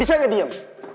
bisa gak diam